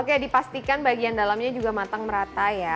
oke dipastikan bagian dalamnya juga matang merata ya